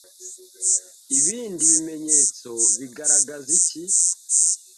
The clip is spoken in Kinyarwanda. ibindi bimenyetso bigaragaza iki